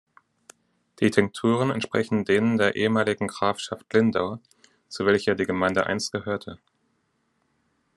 Die Tinkturen entsprechen denen der ehemaligen Grafschaft Lindau, zu welcher die Gemeinde einst gehörte.